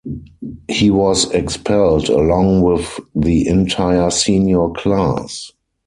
He was expelled, along with the entire senior class.